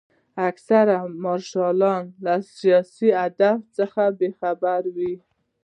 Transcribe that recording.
اکثره یې د مارش له سیاسي هدف څخه بې خبره وو.